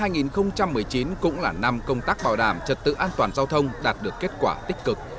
năm hai nghìn một mươi chín cũng là năm công tác bảo đảm trật tự an toàn giao thông đạt được kết quả tích cực